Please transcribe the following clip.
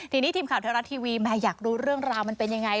ทีนี้ทีมข่าวไทยรัฐทีวีแม่อยากรู้เรื่องราวมันเป็นยังไง